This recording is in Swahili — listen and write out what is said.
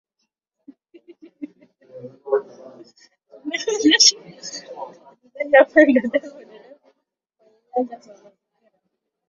Linawezesha utekelezaji wa maendeleo endelevu kwenye nyanja ya mazingira